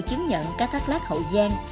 chứng nhận cá thác lát hậu giang